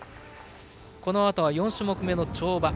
このあとは４種目めの跳馬。